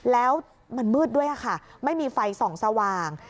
แล้วมันมืดด้วยค่ะไม่มีไฟส่องสว่าง